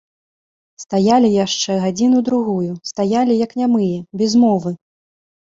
Стаялі яшчэ гадзіну-другую, стаялі, як нямыя, без мовы.